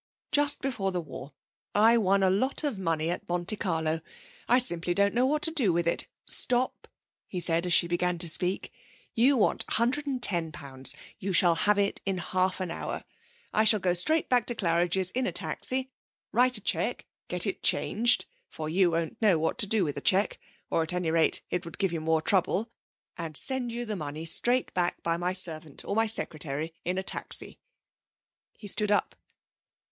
Just before the war I won a lot of money at Monte Carlo. I simply don't know what to do with it. Stop!' he said, as she began to speak. 'You want a hundred and ten pounds. You shall have it in half an hour. I shall go straight back to Claridge's in a taxi, write a cheque, get it changed for you won't know what to do with a cheque, or at any rate it would give you more trouble and send you the money straight back by my servant or my secretary in a taxi.' He stood up.